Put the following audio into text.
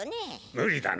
無理だね。